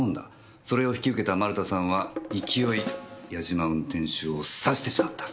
それを引き受けた丸田さんは勢い八嶋運転手を刺してしまった。